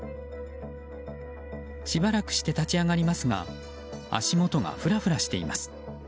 しばらくして立ち上がりますが足元がふらふらしています。